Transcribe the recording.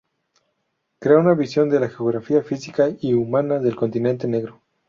Crea una visión de la geografía física y humana del continente negro.